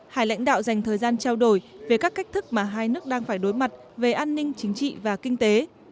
hai lãnh đạo dành thời gian trao đổi về các cách thức mà hai nước đang phải đối mặt về an ninh chính trị và kinh tế